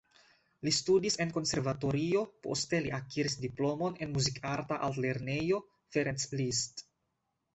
Li studis en konservatorio, poste li akiris diplomon en Muzikarta Altlernejo Ferenc Liszt.